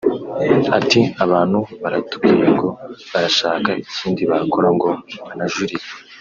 Ati “Abantu baratubwiye ngo barashaka ikindi bakora ngo banajurire